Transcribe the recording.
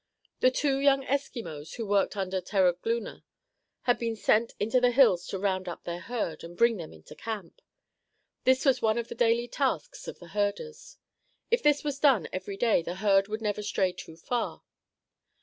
The two young Eskimos who worked under Terogloona had been sent into the hills to round up their herd and bring them into camp. This was one of the daily tasks of the herders. If this was done every day the herd would never stray too far.